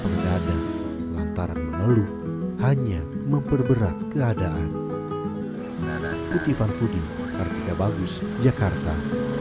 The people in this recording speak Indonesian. pengadilan latar meneluh hanya memperberat keadaan putih fanfury artika bagus jakarta